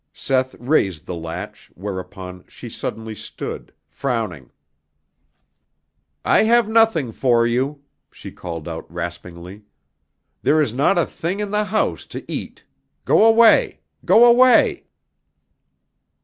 Seth raised the latch, whereupon she suddenly stood, frowning. "I have nothing for you," she called out raspingly. "There is not a thing in the house to eat. Go away! Go away!"